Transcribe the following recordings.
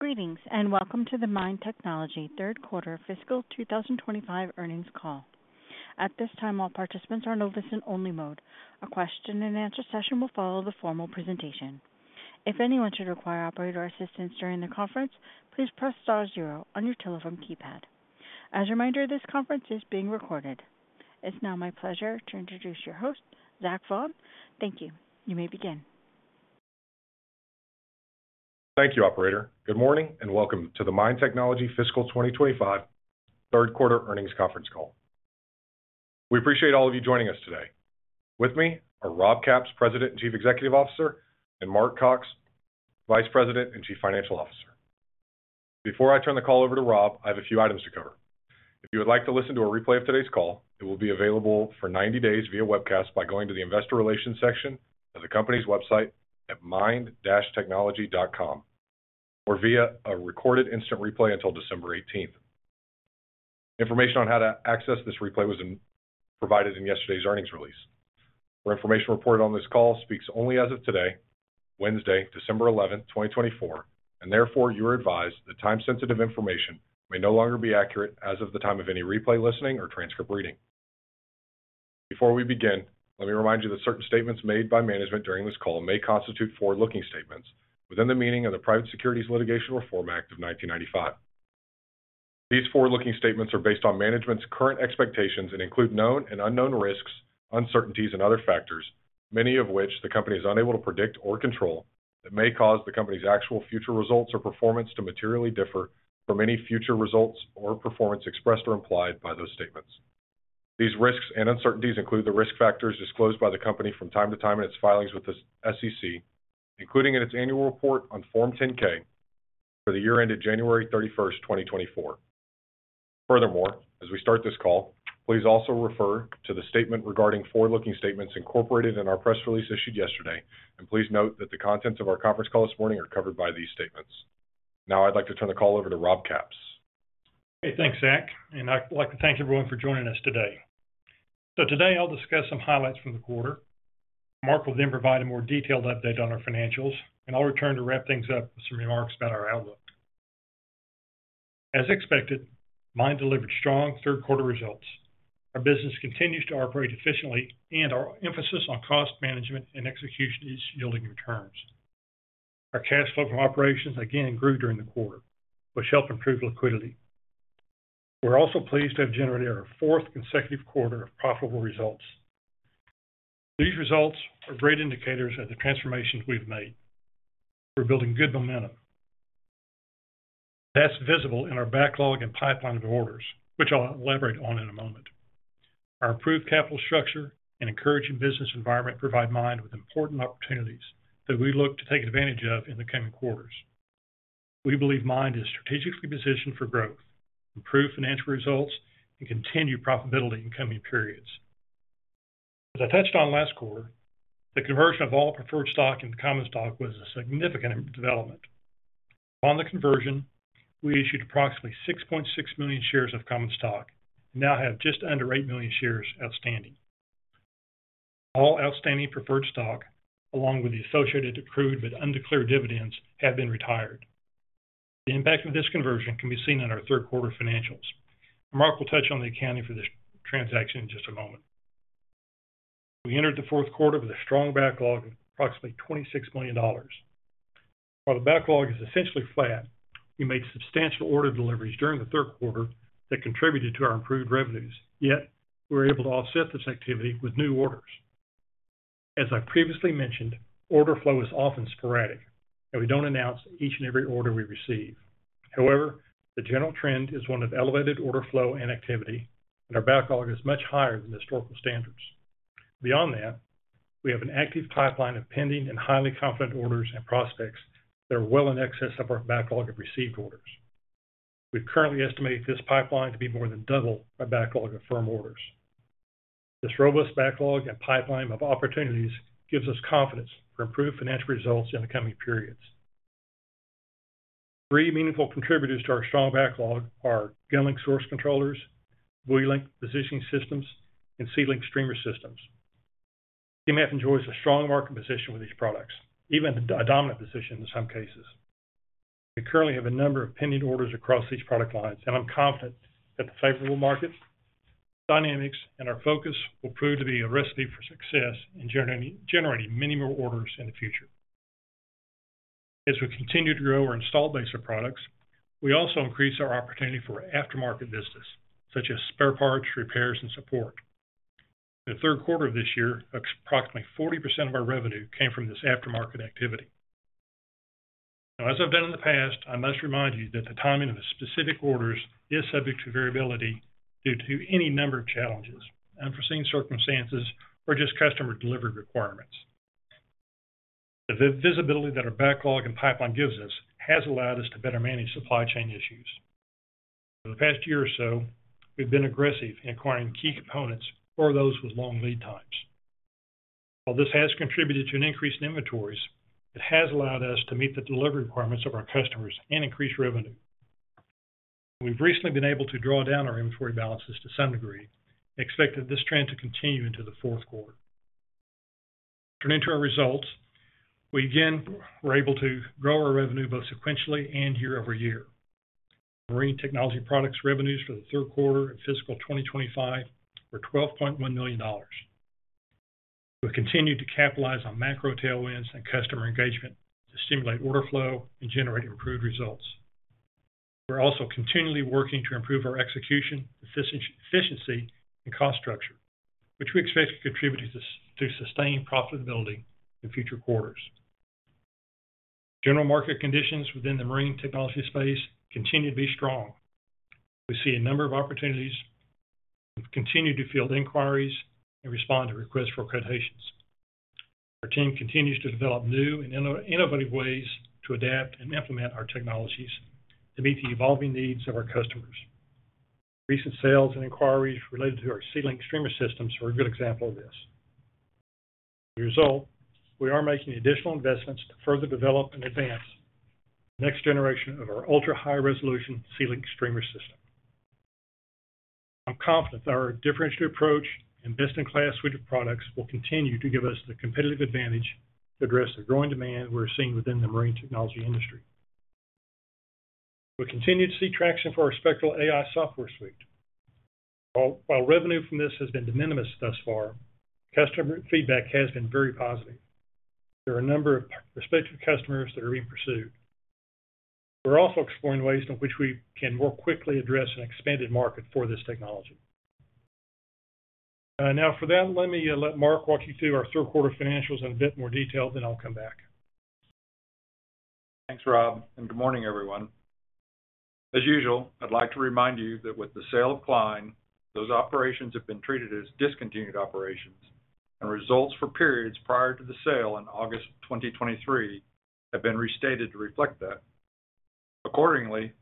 Greetings and welcome to the MIND Technology third quarter fiscal 2025 earnings call. At this time, all participants are in a listen-only mode. A question-and-answer session will follow the formal presentation. If anyone should require operator assistance during the conference, please press star zero on your telephone keypad. As a reminder, this conference is being recorded. It's now my pleasure to introduce your host, Zach Vaughan. Thank you. You may begin. Thank you, operator. Good morning and welcome to the MIND Technology fiscal 2025 third quarter earnings conference call. We appreciate all of you joining us today. With me are Rob Capps, President and Chief Executive Officer, and Mark Cox, Vice President and Chief Financial Officer. Before I turn the call over to Rob, I have a few items to cover. If you would like to listen to a replay of today's call, it will be available for 90 days via webcast by going to the Investor Relations section of the company's website at mind-technology.com or via a recorded instant replay until December 18th. Information on how to access this replay was provided in yesterday's earnings release. For information reported on this call, speaks only as of today, Wednesday, December 11th, 2024, and therefore you are advised that time-sensitive information may no longer be accurate as of the time of any replay listening or transcript reading. Before we begin, let me remind you that certain statements made by management during this call may constitute forward-looking statements within the meaning of the Private Securities Litigation Reform Act of 1995. These forward-looking statements are based on management's current expectations and include known and unknown risks, uncertainties, and other factors, many of which the company is unable to predict or control that may cause the company's actual future results or performance to materially differ from any future results or performance expressed or implied by those statements. These risks and uncertainties include the risk factors disclosed by the company from time to time in its filings with the SEC, including in its annual report on Form 10-K for the year ended January 31st, 2024. Furthermore, as we start this call, please also refer to the statement regarding forward-looking statements incorporated in our press release issued yesterday, and please note that the contents of our conference call this morning are covered by these statements. Now I'd like to turn the call over to Rob Capps. Okay, thanks, Zach. And I'd like to thank everyone for joining us today. So today I'll discuss some highlights from the quarter. Mark will then provide a more detailed update on our financials, and I'll return to wrap things up with some remarks about our outlook. As expected, MIND delivered strong third quarter results. Our business continues to operate efficiently, and our emphasis on cost management and execution is yielding returns. Our cash flow from operations again grew during the quarter, which helped improve liquidity. We're also pleased to have generated our fourth consecutive quarter of profitable results. These results are great indicators of the transformations we've made. We're building good momentum. That's visible in our backlog and pipeline of orders, which I'll elaborate on in a moment. Our improved capital structure and encouraging business environment provide MIND with important opportunities that we look to take advantage of in the coming quarters. We believe MIND is strategically positioned for growth, improved financial results, and continued profitability in coming periods. As I touched on last quarter, the conversion of all preferred stock into common stock was a significant development. Upon the conversion, we issued approximately 6.6 million shares of common stock and now have just under 8 million shares outstanding. All outstanding preferred stock, along with the associated accrued but undeclared dividends, have been retired. The impact of this conversion can be seen in our third quarter financials. Mark will touch on the accounting for this transaction in just a moment. We entered the fourth quarter with a strong backlog of approximately $26 million. While the backlog is essentially flat, we made substantial order deliveries during the third quarter that contributed to our improved revenues. Yet we were able to offset this activity with new orders. As I previously mentioned, order flow is often sporadic, and we don't announce each and every order we receive. However, the general trend is one of elevated order flow and activity, and our backlog is much higher than historical standards. Beyond that, we have an active pipeline of pending and highly confident orders and prospects that are well in excess of our backlog of received orders. We've currently estimated this pipeline to be more than double our backlog of firm orders. This robust backlog and pipeline of opportunities gives us confidence for improved financial results in the coming periods. Three meaningful contributors to our strong backlog are GunLink Source Controllers, BuoyLink Positioning Systems, and SeaLink Streamer Systems. MIND enjoys a strong market position with these products, even a dominant position in some cases. We currently have a number of pending orders across these product lines, and I'm confident that the favorable market dynamics and our focus will prove to be a recipe for success in generating many more orders in the future. As we continue to grow our installed base of products, we also increase our opportunity for aftermarket business, such as spare parts, repairs, and support. In the third quarter of this year, approximately 40% of our revenue came from this aftermarket activity. Now, as I've done in the past, I must remind you that the timing of specific orders is subject to variability due to any number of challenges, unforeseen circumstances, or just customer delivery requirements. The visibility that our backlog and pipeline gives us has allowed us to better manage supply chain issues. For the past year or so, we've been aggressive in acquiring key components or those with long lead times. While this has contributed to an increase in inventories, it has allowed us to meet the delivery requirements of our customers and increase revenue. We've recently been able to draw down our inventory balances to some degree, expecting this trend to continue into the fourth quarter. Turning to our results, we again were able to grow our revenue both sequentially and year-over-year. Our Marine Technology products revenues for the third quarter of fiscal 2025 were $12.1 million. We've continued to capitalize on macro tailwinds and customer engagement to stimulate order flow and generate improved results. We're also continually working to improve our execution, efficiency, and cost structure, which we expect to contribute to sustained profitability in future quarters. General market conditions within the Marine Technology space continue to be strong. We see a number of opportunities. We continue to field inquiries and respond to requests for quotations. Our team continues to develop new and innovative ways to adapt and implement our technologies to meet the evolving needs of our customers. Recent sales and inquiries related to our SeaLink Streamer Systems are a good example of this. As a result, we are making additional investments to further develop and advance the next generation of our ultra-high resolution SeaLink Streamer System. I'm confident that our differentiated approach and best-in-class suite of products will continue to give us the competitive advantage to address the growing demand we're seeing within the Marine Technology industry. We continue to see traction for our Spectral AI software suite. While revenue from this has been de minimis thus far, customer feedback has been very positive. There are a number of prospective customers that are being pursued. We're also exploring ways in which we can more quickly address an expanded market for this technology. Now, for that, let me let Mark walk you through our third quarter financials in a bit more detail, then I'll come back. Thanks, Rob, and good morning, everyone. As usual, I'd like to remind you that with the sale of Klein, those operations have been treated as discontinued operations, and results for periods prior to the sale in August 2023 have been restated to reflect that. Accordingly,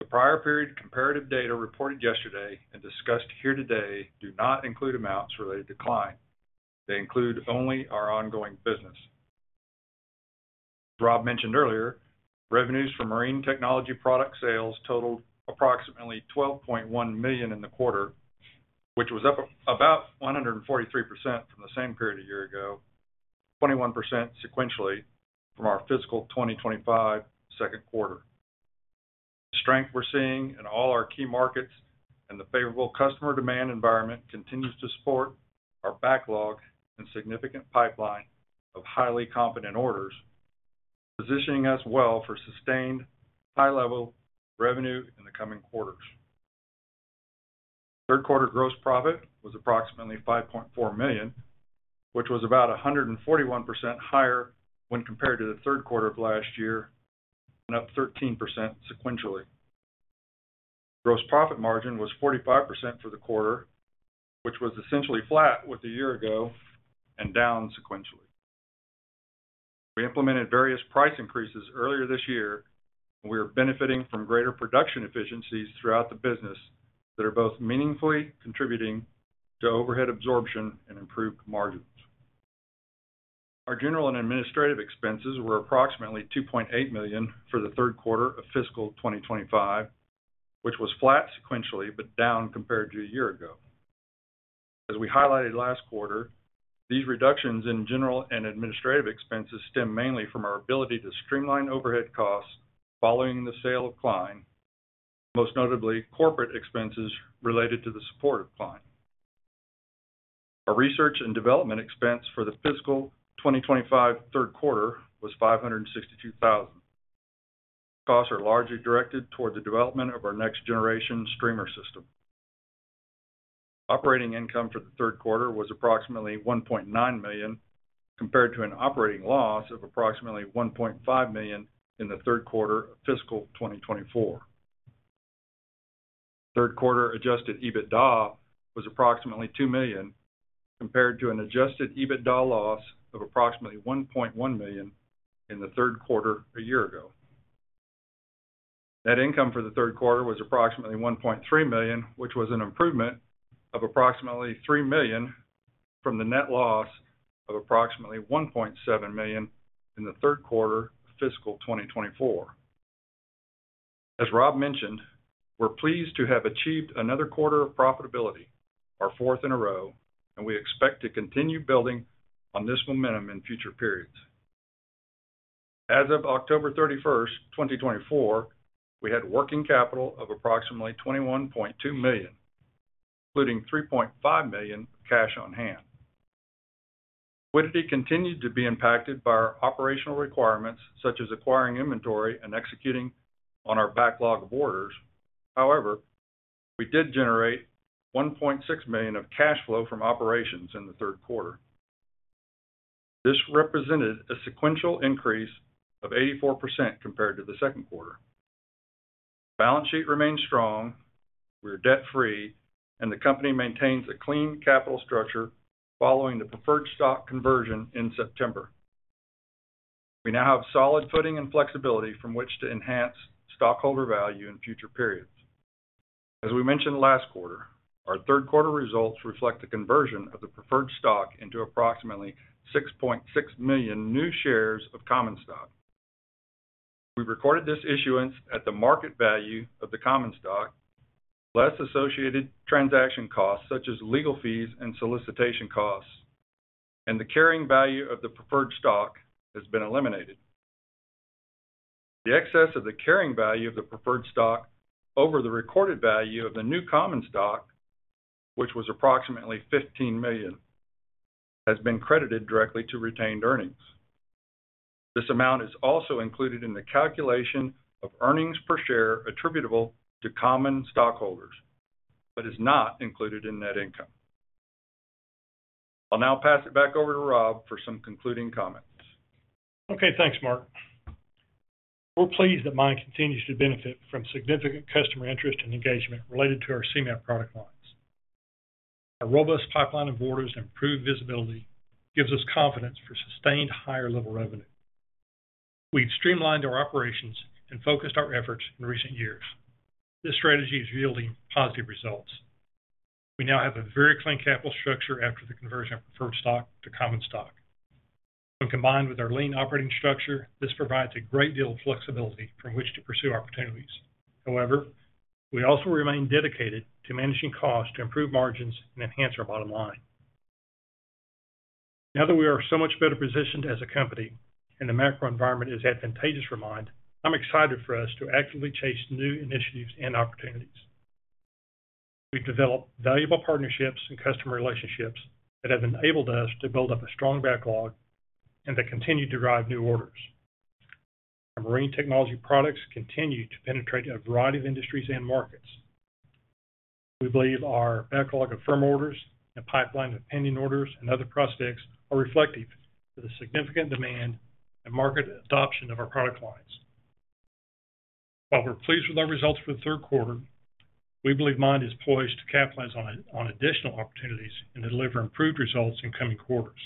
the prior period comparative data reported yesterday and discussed here today do not include amounts related to Klein. They include only our ongoing business. As Rob mentioned earlier, revenues from Marine Technology product sales totaled approximately $12.1 million in the quarter, which was up about 143% from the same period a year ago, 21% sequentially from our fiscal 2025 second quarter. The strength we're seeing in all our key markets and the favorable customer demand environment continues to support our backlog and significant pipeline of highly confident orders, positioning us well for sustained high-level revenue in the coming quarters. Third quarter gross profit was approximately $5.4 million, which was about 141% higher when compared to the third quarter of last year and up 13% sequentially. Gross profit margin was 45% for the quarter, which was essentially flat with a year ago and down sequentially. We implemented various price increases earlier this year, and we are benefiting from greater production efficiencies throughout the business that are both meaningfully contributing to overhead absorption and improved margins. Our general and administrative expenses were approximately $2.8 million for the third quarter of fiscal 2025, which was flat sequentially but down compared to a year ago. As we highlighted last quarter, these reductions in general and administrative expenses stem mainly from our ability to streamline overhead costs following the sale of Klein, most notably corporate expenses related to the support of Klein. Our research and development expense for the fiscal 2025 third quarter was $562,000. These costs are largely directed toward the development of our next-generation streamer system. Operating income for the third quarter was approximately $1.9 million compared to an operating loss of approximately $1.5 million in the third quarter of fiscal 2024. Third quarter Adjusted EBITDA was approximately $2 million compared to an Adjusted EBITDA loss of approximately $1.1 million in the third quarter a year ago. Net income for the third quarter was approximately $1.3 million, which was an improvement of approximately $3 million from the net loss of approximately $1.7 million in the third quarter of fiscal 2024. As Rob mentioned, we're pleased to have achieved another quarter of profitability, our fourth in a row, and we expect to continue building on this momentum in future periods. As of October 31st, 2024, we had working capital of approximately $21.2 million, including $3.5 million cash on hand. Liquidity continued to be impacted by our operational requirements, such as acquiring inventory and executing on our backlog of orders. However, we did generate $1.6 million of cash flow from operations in the third quarter. This represented a sequential increase of 84% compared to the second quarter. Our balance sheet remained strong. We are debt-free, and the company maintains a clean capital structure following the preferred stock conversion in September. We now have solid footing and flexibility from which to enhance stockholder value in future periods. As we mentioned last quarter, our third quarter results reflect the conversion of the preferred stock into approximately 6.6 million new shares of common stock. We recorded this issuance at the market value of the common stock, less associated transaction costs such as legal fees and solicitation costs, and the carrying value of the preferred stock has been eliminated. The excess of the carrying value of the preferred stock over the recorded value of the new common stock, which was approximately $15 million, has been credited directly to retained earnings. This amount is also included in the calculation of earnings per share attributable to common stockholders but is not included in net income. I'll now pass it back over to Rob for some concluding comments. Okay, thanks, Mark. We're pleased that MIND continues to benefit from significant customer interest and engagement related to our Seamap product lines. Our robust pipeline of orders and improved visibility gives us confidence for sustained higher-level revenue. We've streamlined our operations and focused our efforts in recent years. This strategy is yielding positive results. We now have a very clean capital structure after the conversion of preferred stock to common stock. When combined with our lean operating structure, this provides a great deal of flexibility from which to pursue opportunities. However, we also remain dedicated to managing costs to improve margins and enhance our bottom line. Now that we are so much better positioned as a company and the macro environment is advantageous for MIND, I'm excited for us to actively chase new initiatives and opportunities. We've developed valuable partnerships and customer relationships that have enabled us to build up a strong backlog and to continue to drive new orders. Our Marine Technology products continue to penetrate a variety of industries and markets. We believe our backlog of firm orders and pipeline of pending orders and other prospects are reflective of the significant demand and market adoption of our product lines. While we're pleased with our results for the third quarter, we believe MIND is poised to capitalize on additional opportunities and to deliver improved results in coming quarters.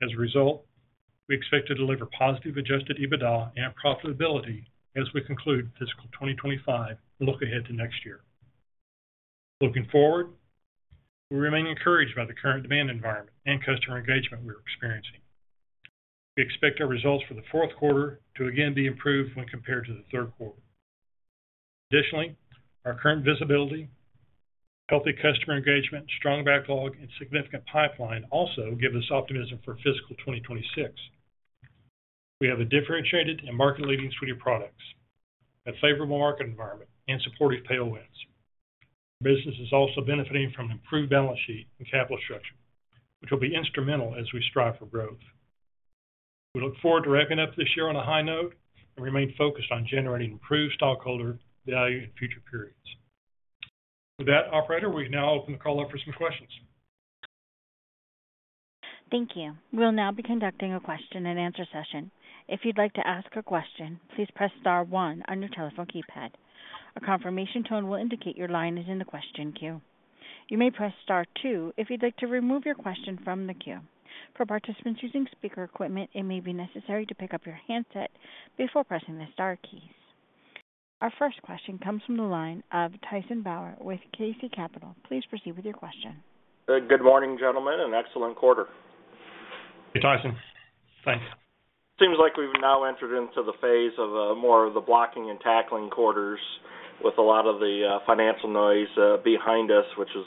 As a result, we expect to deliver positive Adjusted EBITDA and profitability as we conclude fiscal 2025 and look ahead to next year. Looking forward, we remain encouraged by the current demand environment and customer engagement we are experiencing. We expect our results for the fourth quarter to again be improved when compared to the third quarter. Additionally, our current visibility, healthy customer engagement, strong backlog, and significant pipeline also give us optimism for fiscal 2026. We have a differentiated and market-leading suite of products, a favorable market environment, and supportive tailwinds. Our business is also benefiting from an improved balance sheet and capital structure, which will be instrumental as we strive for growth. We look forward to wrapping up this year on a high note and remain focused on generating improved stockholder value in future periods. With that, Operator, we can now open the call up for some questions. Thank you. We'll now be conducting a question-and-answer session. If you'd like to ask a question, please press star one on your telephone keypad. A confirmation tone will indicate your line is in the question queue. You may press star two if you'd like to remove your question from the queue. For participants using speaker equipment, it may be necessary to pick up your handset before pressing the star keys. Our first question comes from the line of Tyson Bauer with KC Capital. Please proceed with your question. Good morning, gentlemen. An excellent quarter. Hey, Tyson. Thanks. Seems like we've now entered into the phase of more of the blocking and tackling quarters with a lot of the financial noise behind us, which is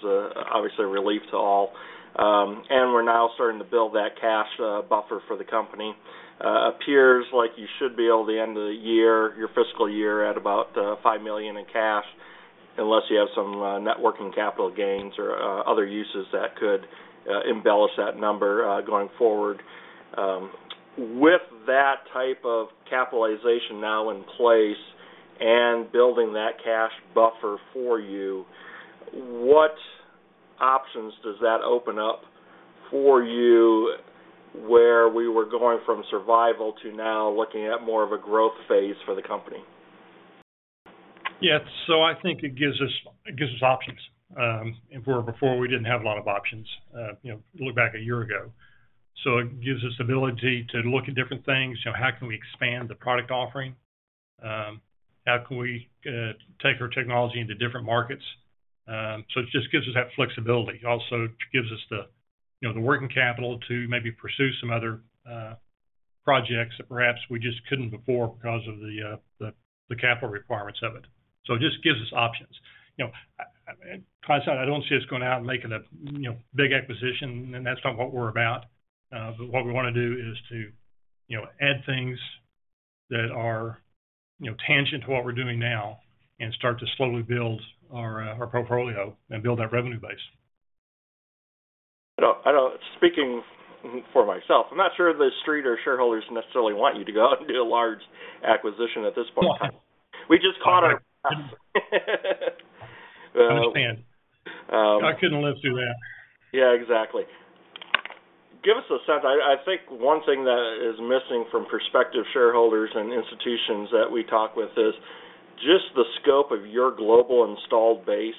obviously a relief to all, and we're now starting to build that cash buffer for the company. It appears like you should be able to end of the year, your fiscal year, at about $5 million in cash, unless you have some net working capital gains or other uses that could embellish that number going forward. With that type of capitalization now in place and building that cash buffer for you, what options does that open up for you where we were going from survival to now looking at more of a growth phase for the company? Yeah. So I think it gives us options. Before, we didn't have a lot of options. Look back a year ago. So it gives us the ability to look at different things. How can we expand the product offering? How can we take our technology into different markets? So it just gives us that flexibility. It also gives us the working capital to maybe pursue some other projects that perhaps we just couldn't before because of the capital requirements of it. So it just gives us options. I don't see us going out and making a big acquisition, and that's not what we're about. But what we want to do is to add things that are tangent to what we're doing now and start to slowly build our portfolio and build that revenue base. Speaking for myself, I'm not sure the street or shareholders necessarily want you to go out and do a large acquisition at this point in time. We just caught our breath. I understand. I couldn't live through that. Yeah, exactly. Give us a sense. I think one thing that is missing from prospective shareholders and institutions that we talk with is just the scope of your global installed base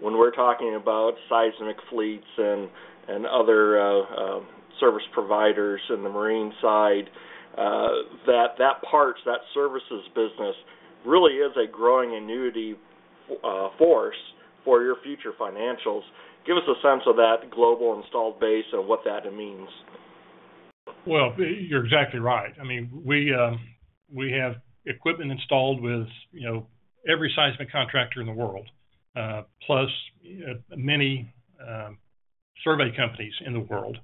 when we're talking about seismic fleets and other service providers in the marine side. That part, that services business, really is a growing annuity force for your future financials. Give us a sense of that global installed base and what that means. You're exactly right. I mean, we have equipment installed with every seismic contractor in the world, plus many survey companies in the world.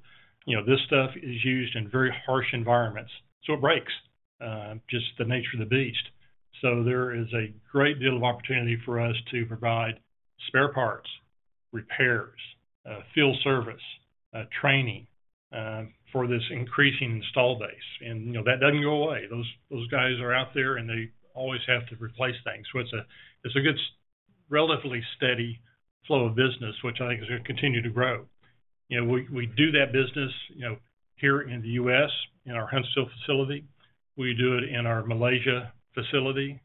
This stuff is used in very harsh environments, so it breaks, just the nature of the beast. So there is a great deal of opportunity for us to provide spare parts, repairs, field service, training for this increasing installed base. And that doesn't go away. Those guys are out there, and they always have to replace things. So it's a relatively steady flow of business, which I think is going to continue to grow. We do that business here in the U.S. in our Huntsville facility. We do it in our Malaysia facility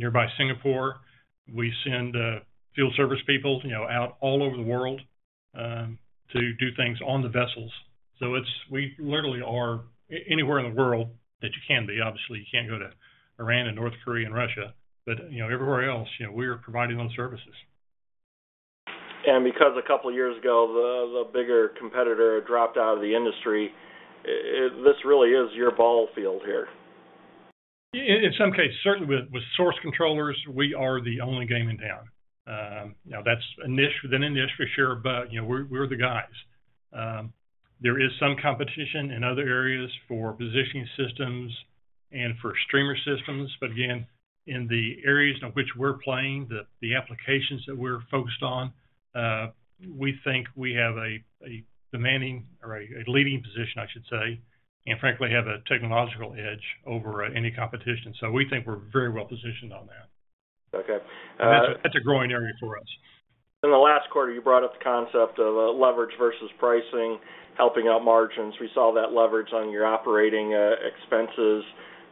nearby Singapore. We send field service people out all over the world to do things on the vessels. So we literally are anywhere in the world that you can be. Obviously, you can't go to Iran and North Korea and Russia, but everywhere else, we are providing those services. Because a couple of years ago, the bigger competitor dropped out of the industry, this really is your ball field here. In some cases, certainly with source controllers, we are the only game in town. That's an issue for sure, but we're the guys. There is some competition in other areas for positioning systems and for streamer systems. But again, in the areas in which we're playing, the applications that we're focused on, we think we have a demanding or a leading position, I should say, and frankly, have a technological edge over any competition. So we think we're very well positioned on that. Okay. That's a growing area for us. In the last quarter, you brought up the concept of leverage versus pricing, helping out margins. We saw that leverage on your operating expenses,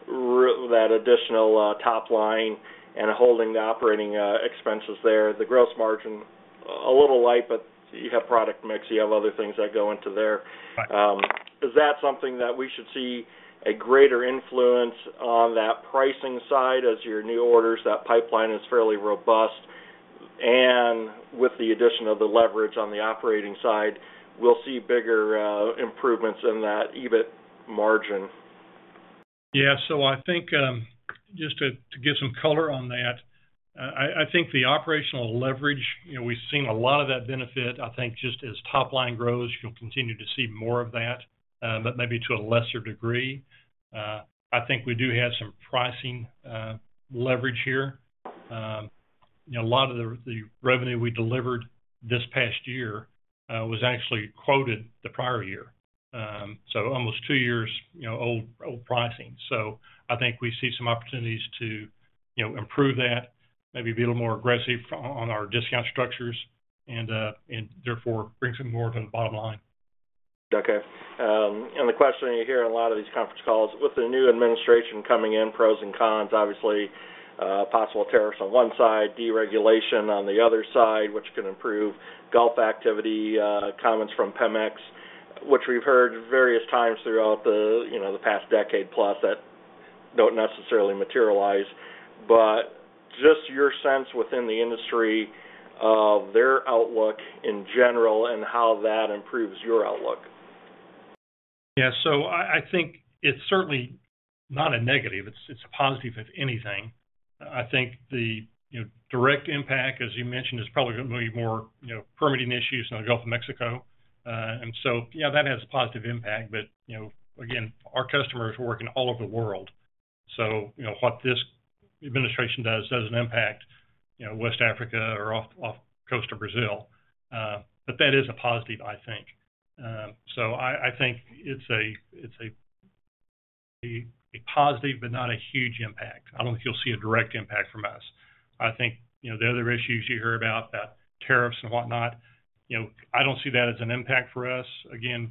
that additional top line, and holding the operating expenses there. The gross margin, a little light, but you have product mix. You have other things that go into there. Is that something that we should see a greater influence on that pricing side as your new orders? That pipeline is fairly robust, and with the addition of the leverage on the operating side, we'll see bigger improvements in that EBIT margin. Yeah. So I think just to give some color on that, I think the operational leverage, we've seen a lot of that benefit. I think just as top line grows, you'll continue to see more of that, but maybe to a lesser degree. I think we do have some pricing leverage here. A lot of the revenue we delivered this past year was actually quoted the prior year, so almost two years old pricing. So I think we see some opportunities to improve that, maybe be a little more aggressive on our discount structures, and therefore bring some more to the bottom line. Okay. And the question you hear in a lot of these conference calls, with the new administration coming in, pros and cons, obviously, possible tariffs on one side, deregulation on the other side, which can improve Gulf activity, comments from Pemex, which we've heard various times throughout the past decade plus that don't necessarily materialize. But just your sense within the industry of their outlook in general and how that improves your outlook. Yeah. So I think it's certainly not a negative. It's a positive, if anything. I think the direct impact, as you mentioned, is probably going to be more permitting issues in the Gulf of Mexico. And so, yeah, that has a positive impact. But again, our customers are working all over the world. So what this administration does doesn't impact West Africa or off coast of Brazil. But that is a positive, I think. So I think it's a positive, but not a huge impact. I don't think you'll see a direct impact from us. I think the other issues you hear about, that tariffs and whatnot, I don't see that as an impact for us. Again,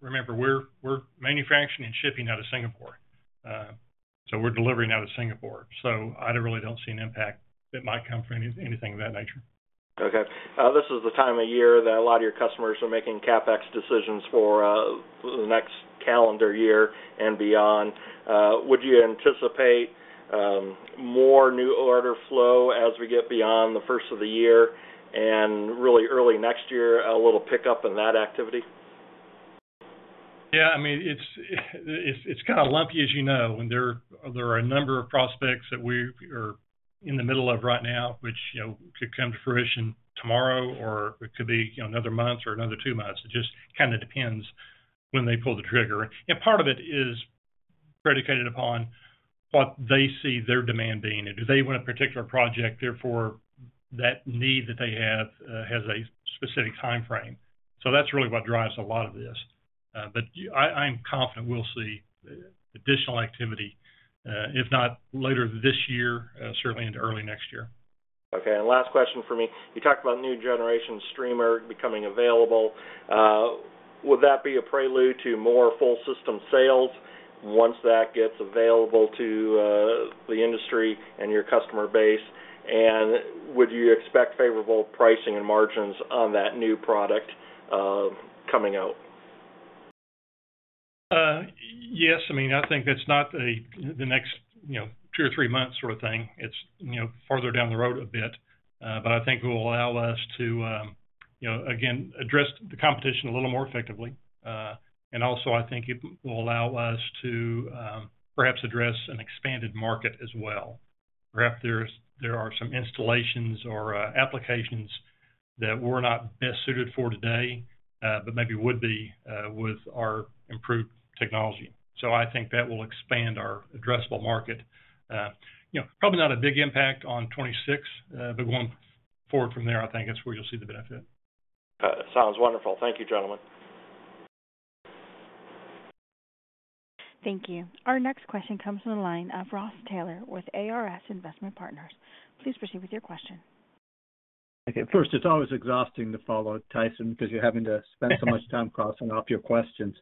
remember, we're manufacturing and shipping out of Singapore. So we're delivering out of Singapore. So I really don't see an impact that might come from anything of that nature. Okay. This is the time of year that a lot of your customers are making CapEx decisions for the next calendar year and beyond. Would you anticipate more new order flow as we get beyond the first of the year and really early next year, a little pickup in that activity? Yeah. I mean, it's kind of lumpy, as you know. There are a number of prospects that we are in the middle of right now, which could come to fruition tomorrow, or it could be another month or another two months. It just kind of depends when they pull the trigger, and part of it is predicated upon what they see their demand being. Do they want a particular project? Therefore, that need that they have has a specific time frame, so that's really what drives a lot of this, but I'm confident we'll see additional activity, if not later this year, certainly into early next year. Okay. And last question for me. You talked about new generation streamer becoming available. Would that be a prelude to more full system sales once that gets available to the industry and your customer base? And would you expect favorable pricing and margins on that new product coming out? Yes. I mean, I think that's not the next two or three months sort of thing. It's farther down the road a bit. But I think it will allow us to, again, address the competition a little more effectively. And also, I think it will allow us to perhaps address an expanded market as well. Perhaps there are some installations or applications that we're not best suited for today, but maybe would be with our improved technology. So I think that will expand our addressable market. Probably not a big impact on 2026, but going forward from there, I think that's where you'll see the benefit. Sounds wonderful. Thank you, gentlemen. Thank you. Our next question comes from the line of Ross Taylor with ARS Investment Partners. Please proceed with your question. Okay. First, it's always exhausting to follow Tyson because you're having to spend so much time crossing off your questions.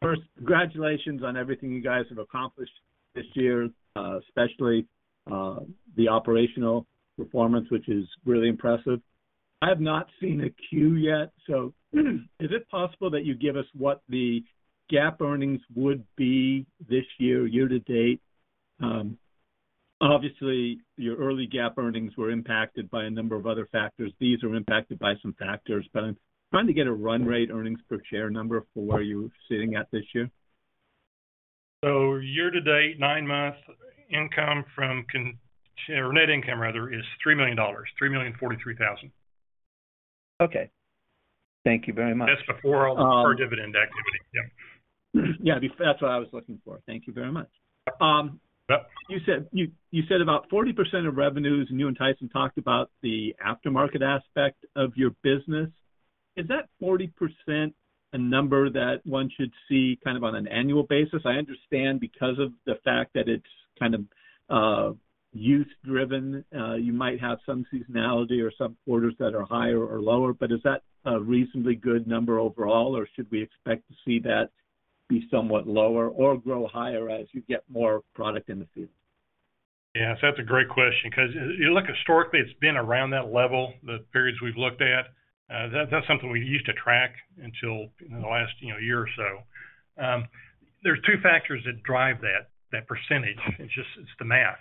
First, congratulations on everything you guys have accomplished this year, especially the operational performance, which is really impressive. I have not seen a Q yet. So is it possible that you give us what the GAAP earnings would be this year, year to date? Obviously, your early GAAP earnings were impacted by a number of other factors. These are impacted by some factors. But I'm trying to get a run rate earnings per share number for where you're sitting at this year. Year to date, nine-month income from net income, rather, is $3,043,000. Okay. Thank you very much. That's before our dividend activity. Yeah. Yeah. That's what I was looking for. Thank you very much. You said about 40% of revenues, and you and Tyson talked about the aftermarket aspect of your business. Is that 40% a number that one should see kind of on an annual basis? I understand because of the fact that it's kind of youth-driven, you might have some seasonality or some orders that are higher or lower. But is that a reasonably good number overall, or should we expect to see that be somewhat lower or grow higher as you get more product in the field? Yeah. So that's a great question because historically, it's been around that level, the periods we've looked at. That's something we used to track until the last year or so. There are two factors that drive that percentage. It's the math.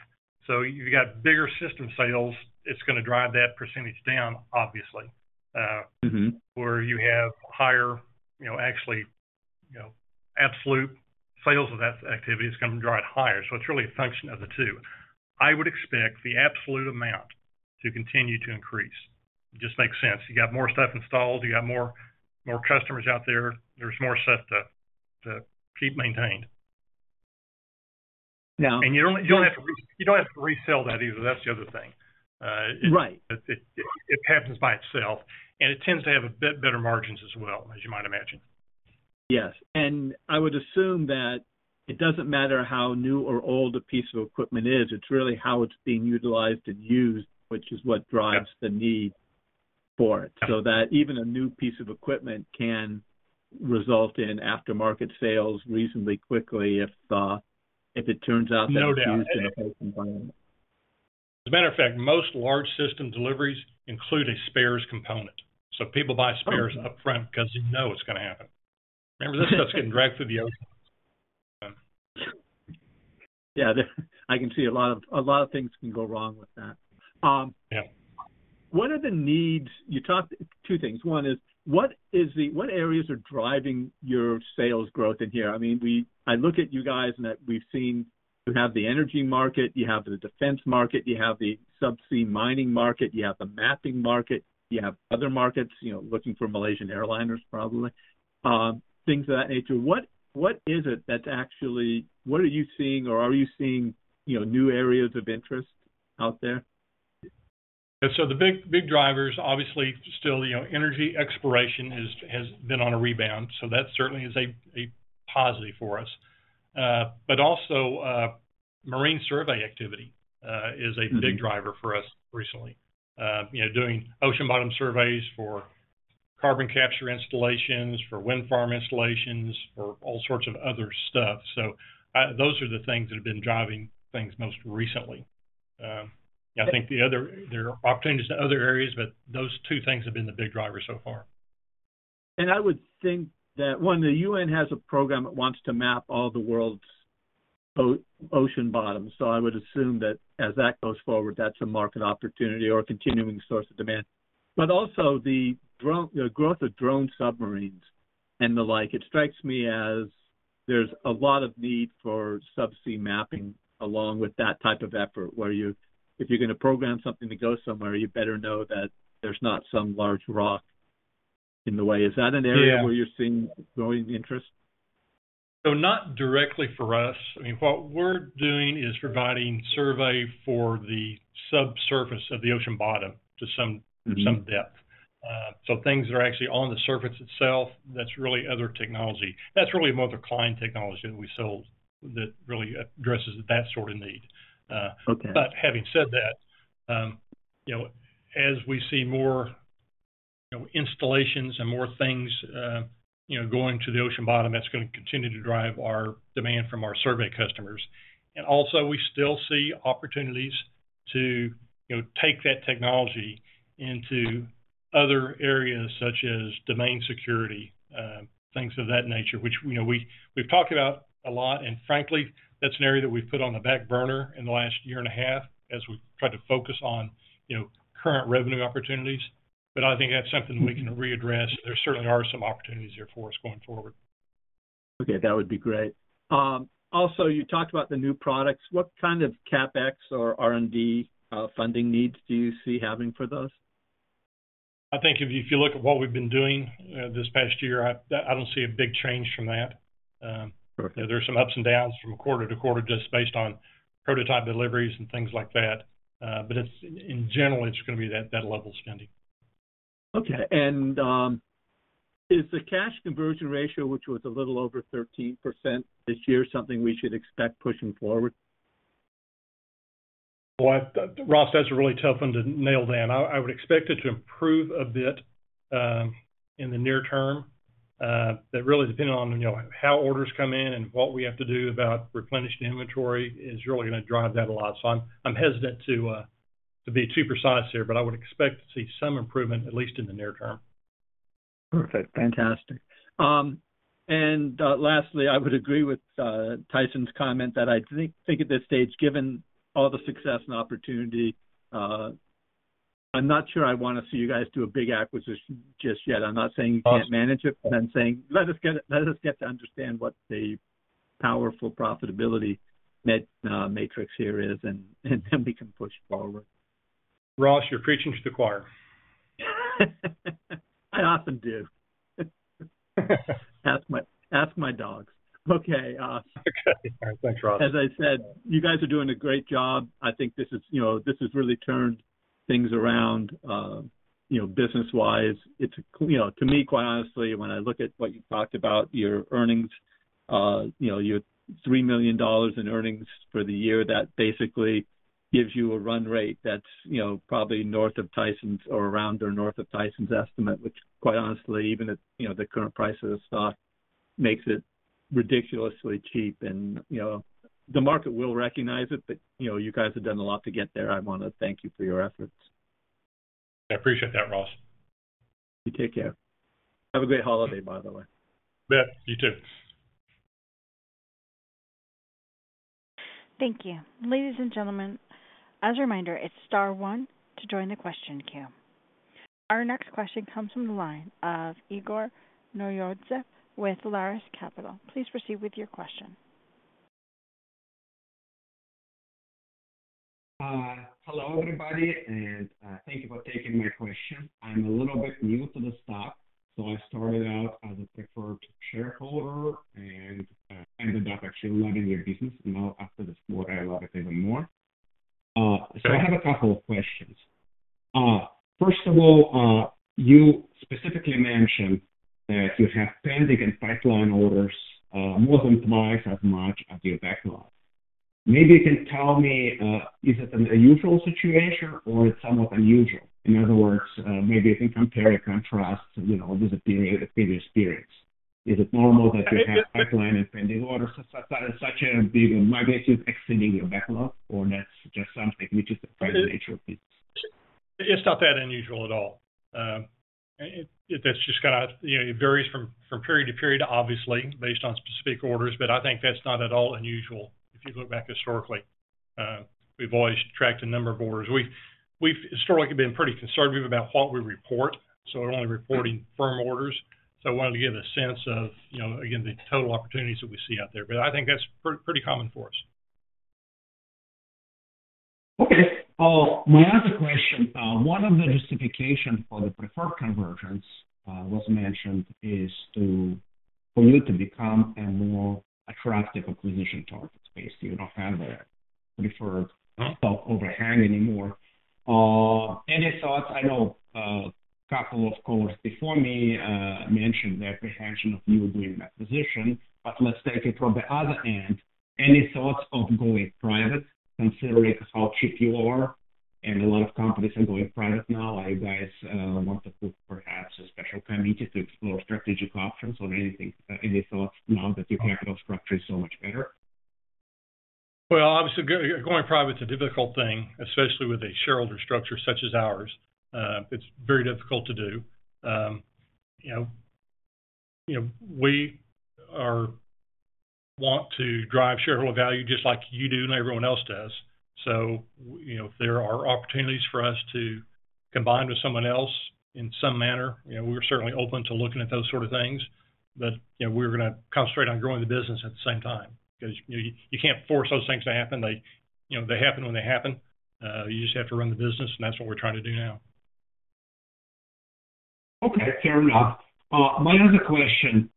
So you've got bigger system sales, it's going to drive that percentage down, obviously. Where you have higher, actually absolute sales of that activity is going to drive it higher. So it's really a function of the two. I would expect the absolute amount to continue to increase. It just makes sense. You got more stuff installed. You got more customers out there. There's more stuff to keep maintained. And you don't have to resell that either. That's the other thing. It happens by itself. And it tends to have a bit better margins as well, as you might imagine. Yes. And I would assume that it doesn't matter how new or old a piece of equipment is. It's really how it's being utilized and used, which is what drives the need for it. So that even a new piece of equipment can result in aftermarket sales reasonably quickly if it turns out that it's used in a safe environment. As a matter of fact, most large system deliveries include a spares component. So people buy spares upfront because they know it's going to happen. Remember, this stuff's getting dragged through the ocean. Yeah. I can see a lot of things can go wrong with that. What are the needs? You talked two things. One is, what areas are driving your sales growth in here? I mean, I look at you guys and we've seen you have the energy market, you have the defense market, you have the subsea mining market, you have the mapping market, you have other markets, looking for Malaysian airliners, probably, things of that nature. What is it that's actually what are you seeing or are you seeing new areas of interest out there? So the big drivers, obviously, still energy exploration has been on a rebound. So that certainly is a positive for us. But also, marine survey activity is a big driver for us recently, doing ocean bottom surveys for carbon capture installations, for wind farm installations, for all sorts of other stuff. So those are the things that have been driving things most recently. I think there are opportunities in other areas, but those two things have been the big drivers so far. I would think that, one, the UN has a program that wants to map all the world's ocean bottoms. I would assume that as that goes forward, that's a market opportunity or a continuing source of demand. Also, the growth of drone submarines and the like, it strikes me as there's a lot of need for subsea mapping along with that type of effort, where if you're going to program something to go somewhere, you better know that there's not some large rock in the way. Is that an area where you're seeing growing interest? So not directly for us. I mean, what we're doing is providing survey for the subsurface of the ocean bottom to some depth. So things that are actually on the surface itself, that's really other technology. That's really more of the client technology that we sold that really addresses that sort of need. But having said that, as we see more installations and more things going to the ocean bottom, that's going to continue to drive our demand from our survey customers. And also, we still see opportunities to take that technology into other areas such as domain security, things of that nature, which we've talked about a lot. And frankly, that's an area that we've put on the back burner in the last year and a half as we've tried to focus on current revenue opportunities. But I think that's something we can readdress. There certainly are some opportunities there for us going forward. Okay. That would be great. Also, you talked about the new products. What kind of CapEx or R&D funding needs do you see having for those? I think if you look at what we've been doing this past year, I don't see a big change from that. There's some ups and downs from quarter to quarter just based on prototype deliveries and things like that. But in general, it's going to be that level spending. Okay. And is the cash conversion ratio, which was a little over 13% this year, something we should expect pushing forward? Ross, that's a really tough one to nail down. I would expect it to improve a bit in the near term. really, depending on how orders come in and what we have to do about replenished inventory is really going to drive that a lot. I'm hesitant to be too precise here, but I would expect to see some improvement, at least in the near term. Perfect. Fantastic. And lastly, I would agree with Tyson's comment that I think at this stage, given all the success and opportunity, I'm not sure I want to see you guys do a big acquisition just yet. I'm not saying you can't manage it, but I'm saying let us get to understand what the powerful profitability matrix here is, and then we can push forward. Ross, you're preaching to the choir. I often do. Ask my dogs. Okay. Okay. Thanks, Ross. As I said, you guys are doing a great job. I think this has really turned things around business-wise. To me, quite honestly, when I look at what you talked about, your earnings, your $3 million in earnings for the year, that basically gives you a run rate that's probably north of Tyson's or around or north of Tyson's estimate, which, quite honestly, even at the current price of the stock, makes it ridiculously cheap. And the market will recognize it, but you guys have done a lot to get there. I want to thank you for your efforts. I appreciate that, Ross. You take care. Have a great holiday, by the way. You too. Thank you. Ladies and gentlemen, as a reminder, it's Star One to join the question queue. Our next question comes from the line of Igor Novgorodtsev with Lares Capital. Please proceed with your question. Hello, everybody, and thank you for taking my question. I'm a little bit new to the stock, so I started out as a preferred shareholder and ended up actually owning your business. Now, after the split, I love it even more, so I have a couple of questions. First of all, you specifically mentioned that you have pending and pipeline orders more than twice as much as your backlog. Maybe you can tell me, is it an unusual situation or it's somewhat unusual? In other words, maybe you can compare and contrast with the previous periods. Is it normal that you have pipeline and pending orders such a big magnitude exceeding your backlog, or that's just something which is part of the nature of business? It's not that unusual at all. That's just kind of it varies from period to period, obviously, based on specific orders, but I think that's not at all unusual if you look back historically. We've always tracked a number of orders. We've historically been pretty conservative about what we report, so we're only reporting firm orders, so I wanted to give a sense of, again, the total opportunities that we see out there, but I think that's pretty common for us. Okay. My other question, one of the justifications for the preferred conversions was mentioned is for you to become a more attractive acquisition target space. You don't have a preferred stock overhang anymore. Any thoughts? I know a couple of callers before me mentioned the apprehension of you doing an acquisition, but let's take it from the other end. Any thoughts of going private, considering how cheap you are and a lot of companies are going private now? Are you guys want to put perhaps a special committee to explore strategic options or anything? Any thoughts now that your capital structure is so much better? Obviously, going private's a difficult thing, especially with a shareholder structure such as ours. It's very difficult to do. We want to drive shareholder value just like you do and everyone else does. So if there are opportunities for us to combine with someone else in some manner, we're certainly open to looking at those sort of things. But we're going to concentrate on growing the business at the same time because you can't force those things to happen. They happen when they happen. You just have to run the business, and that's what we're trying to do now. Okay. Fair enough. My other question,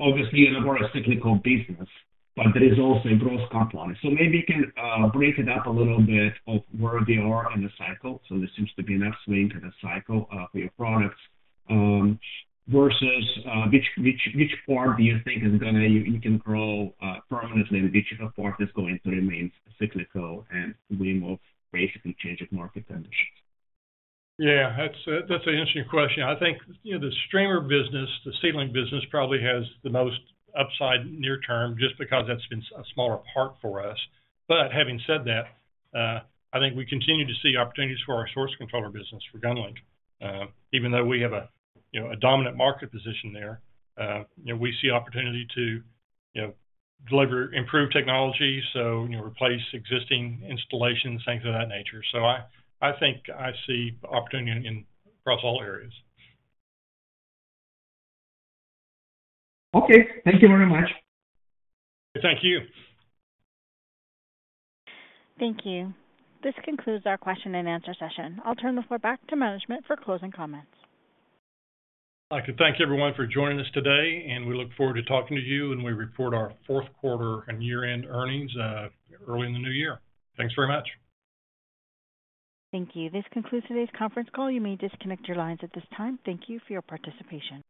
obviously, you have a very cyclical business, but there is also a growth component. So maybe you can break it up a little bit of where they are in the cycle. So there seems to be an upswing to the cycle for your products versus which part do you think is going to you can grow permanently and which part is going to remain cyclical and we move basically change of market conditions? Yeah. That's an interesting question. I think the streamer business, the SeaLink business probably has the most upside near term just because that's been a smaller part for us. But having said that, I think we continue to see opportunities for our source controller business, for GunLink. Even though we have a dominant market position there, we see opportunity to deliver improved technology, so replace existing installations, things of that nature. So I think I see opportunity across all areas. Okay. Thank you very much. Thank you. Thank you. This concludes our question and answer session. I'll turn the floor back to management for closing comments. I'd like to thank everyone for joining us today, and we look forward to talking to you when we report our fourth quarter and year-end earnings early in the new year. Thanks very much. Thank you. This concludes today's conference call. You may disconnect your lines at this time. Thank you for your participation.